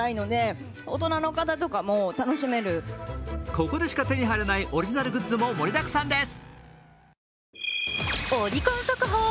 ここでしか手に入らないオリジナルグッズも盛りだくさんです。